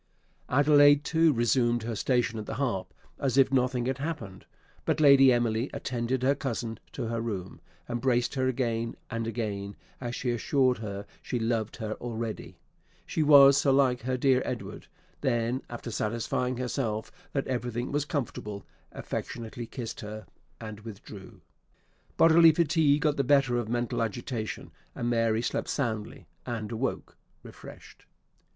Adelaide too resumed her station at the harp, as if nothing had happened; but Lady Emily attended her cousin to her room, embraced her again and again, as she assured her she loved her already, she was so like her dear Edward; then, after satisfying herself that everything was comfortable, affectionately kissed her, and withdrew. Bodily fatigue got the better of mental agitation; and Mary slept soundly, and awoke refreshed.